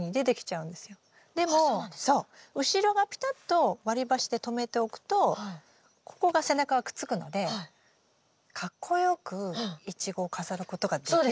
後ろがピタッと割り箸で留めておくとここが背中がくっつくのでかっこよくイチゴを飾ることができるんです。